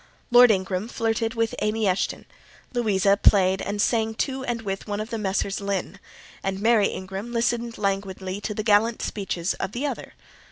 Lord Ingram flirted with Amy Eshton; Louisa played and sang to and with one of the Messrs. Lynn; and Mary Ingram listened languidly to the gallant speeches of the other.